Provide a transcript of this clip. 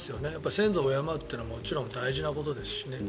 先祖を敬うのはもちろん大事なことですしね。